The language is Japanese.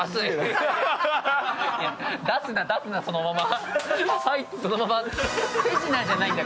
そのまま。